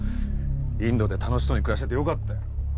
インドで楽しそうに暮らしててよかったよ。